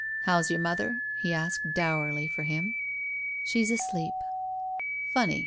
*• How's your mother?" he asked, dourly for him. '•She's asleep." "Funny.